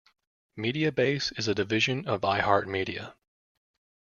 Mediabase is a division of iHeartMedia.